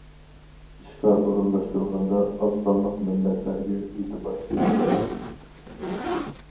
ئىشقا ئورۇنلاشتۇرغاندا ئاز سانلىق مىللەتلەرگە ئېتىبار بېرىلىدۇ.